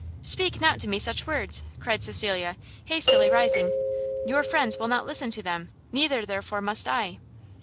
"Speak not to me such words!" cried Cecilia, hastily rising; "your friends will not listen to them, neither, therefore, must I."